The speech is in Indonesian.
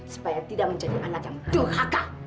supaya tidak menjadi anak yang durhaka